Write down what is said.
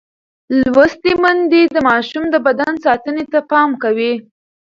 لوستې میندې د ماشوم د بدن ساتنې ته پام کوي.